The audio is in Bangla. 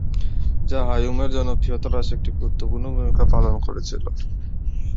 যা "হা-ইয়োম"-এর জনপ্রিয়তা হ্রাসে একটি গুরুত্বপূর্ণ ভূমিকা পালন করেছিলো।